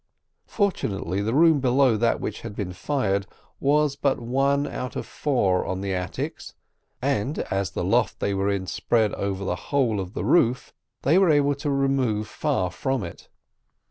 Fortunately the room below that which had been fired was but one out of four on the attics, and, as the loft they were in spread over the whole of the roof they were able to remove far from it.